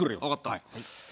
わかった。